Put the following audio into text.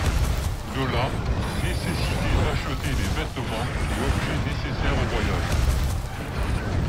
De là, nécessité d’acheter les vêtements et objets nécessaires au voyage.